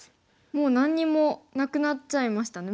もう何にもなくなっちゃいましたね。